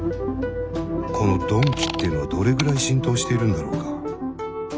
この「鈍器」ってのはどれぐらい浸透しているんだろうか？